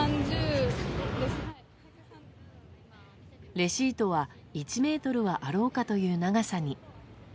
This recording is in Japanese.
レシートは１ｍはあろうかという長さに。